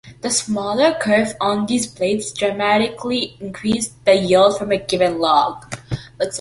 The smaller kerf on these blades dramatically increased the yield from a given log.